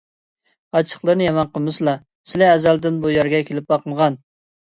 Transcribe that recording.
ئاچچىقلىرىنى يامان قىلمىسىلا، سىلى ئەزەلدىن بۇ يەرگە كېلىپ باقمىغان.